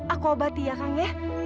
aku akan mengobati ya kang